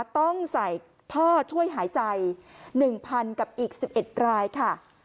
ต้องใส่ท่อช่วยหายใจหนึ่งพันกับอีกสิบเอ็ดรายค่ะ